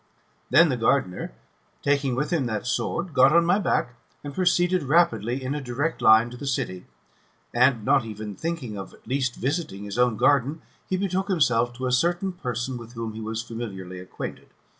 Then the gardener, taking with him that sword, got on my back, and proceeded rapidly in a direct line to the city ; and, not even thinking of at least visiting his own garden, he betook himself to a certain person with whom he was familiarly acquainted.